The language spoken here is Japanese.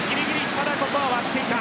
ただ、ここは割っていた。